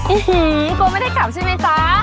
อื้อหือกลัวไม่ได้กลับใช่ไหมคะ